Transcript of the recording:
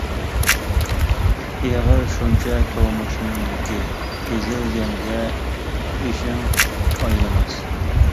ئېغىر شۇنچە تۇرمۇشنىڭ يۈكى، ئېزىلگەنگە ئىشىڭ ئاينىماس.